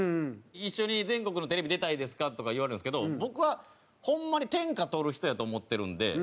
「一緒に全国のテレビ出たいですか？」とか言われるんですけど僕はホンマに天下取る人やと思ってるんで。